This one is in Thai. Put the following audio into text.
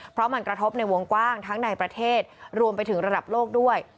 เพราะมันกระทบในวงกว้างทั้งในประเทศรวมไปถึงระดับโลกด้วย